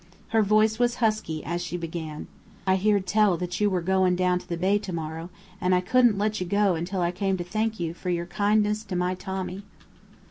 Her voice was husky as she began: "I heerd tell that you were goin' down to the Bay tomorrow, and I couldn't let you go until I came to thank you for your kindness to my Tommy."